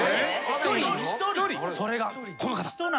それがこの方。